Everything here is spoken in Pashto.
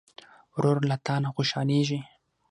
ورور له تا نه خوشحالېږي.